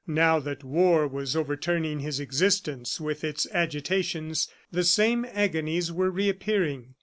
Now that war was overturning his existence with its agitations, the same agonies were reappearing.